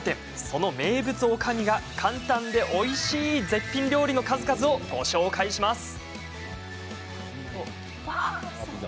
その名物おかみが簡単でおいしい絶品料理の数々をご紹介します。